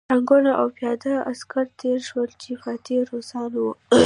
ټانکونه او پیاده عسکر تېر شول چې فاتح روسان وو